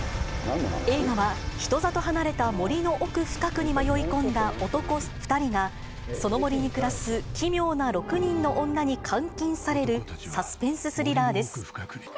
映画は、人里離れた森の奥深くに迷い込んだ男２人が、その森に暮らす奇妙な６人の女に監禁されるサスペンススリラーです。